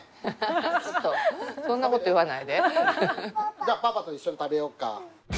じゃパパと一緒に食べよっか。